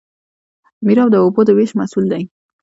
میرآب د اوبو د ویش مسوول وي.